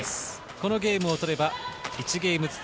このゲームを取れば１ゲームずつ。